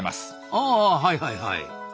ああはいはいはい。